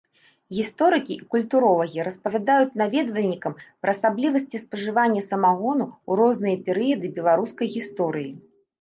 Гісторыкі і культуролагі распавядаюць наведвальнікам пра асаблівасці спажывання самагону ў розныя перыяды беларускай гісторыі.